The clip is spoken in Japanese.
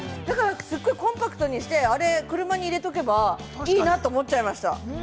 だから、すごいコンパクトにしてあれ、車に入れておけば、いいなと思っちゃいました。